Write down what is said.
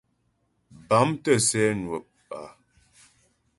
Bâm tə̂ sɛ́ nwə á.